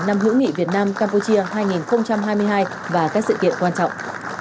năm hữu nghị việt nam campuchia hai nghìn hai mươi hai và các sự kiện quan trọng